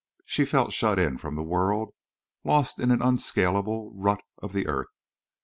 She felt shut in from the world, lost in an unscalable rut of the earth.